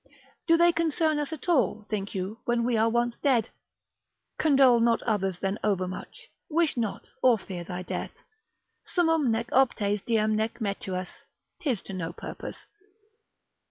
Do they concern us at all, think you, when we are once dead? Condole not others then overmuch, wish not or fear thy death. Summum nec optes diem nec metuas; 'tis to no purpose.